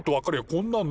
こんなん